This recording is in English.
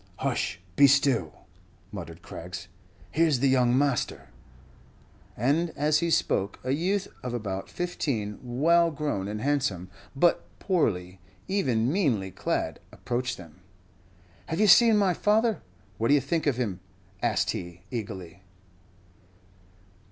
"Hush be still!" muttered Craggs, "here's the young master." And as he spoke, a youth of about fifteen, well grown and handsome, but poorly, even meanly clad, approached them. "Have you seen my father? What do you think of him?" asked he, eagerly.